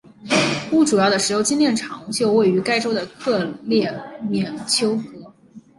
乌主要的石油精炼厂就位于该州的克列缅丘格。